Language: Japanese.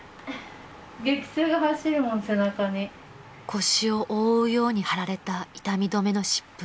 ［腰を覆うように貼られた痛み止めの湿布］